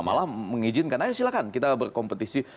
malah mengizinkan ayo silakan kita berkompetisi